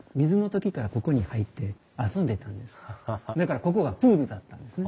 だからここはプールだったんですね。